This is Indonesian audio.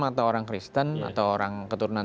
mata orang kristen atau orang keturunan